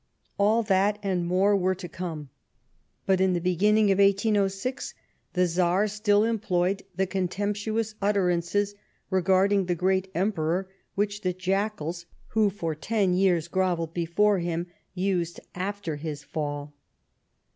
All that, and more, were to come. But, in the beginning of 1806, the Czar still employed the con temptuous utterances regarding the great Emperor which the jackals, who for ten years grovelled before him, used after his fall.